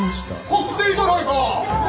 確定じゃないか！